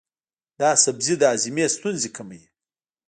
دا سبزی د هاضمې ستونزې کموي.